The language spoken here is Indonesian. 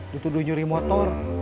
dituduh nyuri motor